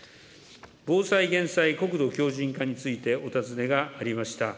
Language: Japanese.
防災・減災・国土強じん化についてお尋ねがありました。